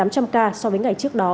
tám trăm linh ca so với ngày trước đó